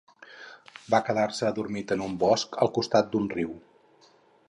Va quedar-se adormit en un bosc al costat d'un riu.